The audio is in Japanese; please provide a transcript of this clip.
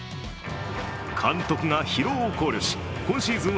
監督が疲労を考慮し今シーズン